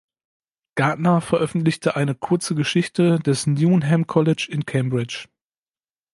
Gardner veröffentlichte eine kurze Geschichte des Newnham College in Cambridge.